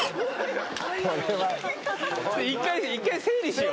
一回整理しよう。